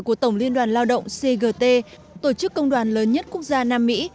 của tổng liên đoàn lao động cgt tổ chức công đoàn lớn nhất quốc gia nam mỹ